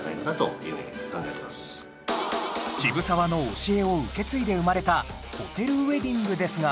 渋沢の教えを受け継いで生まれたホテルウェディングですが